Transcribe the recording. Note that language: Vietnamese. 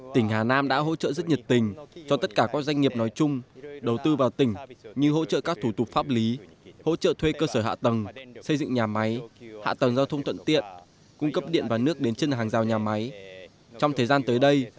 tỉnh hà nam đã hỗ trợ rất nhiệt tình cho tất cả các doanh nghiệp nói chung đầu tư vào tỉnh như hỗ trợ các thủ tục pháp lý hỗ trợ thuê cơ sở hạ tầng xây dựng nhà máy hạ tầng giao thông thuận tiện cung cấp điện và nước đến chân hàng rào nhà máy